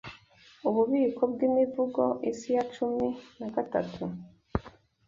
Ububiko bw'Imivugo Isi ya cumi nagatatu